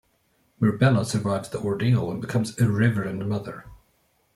Murbella survives the ordeal and becomes a Reverend Mother.